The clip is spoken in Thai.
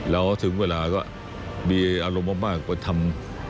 แล้วถึงเวลาก็มีอารมณ์มากไปทำ